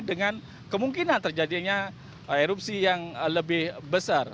dengan kemungkinan terjadinya erupsi yang lebih besar